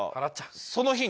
その日に。